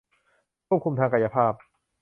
ควบคุมทางกายภาพ